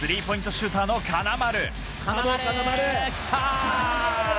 シューターの金丸。